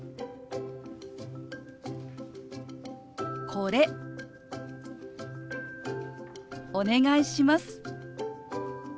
「これお願いします」。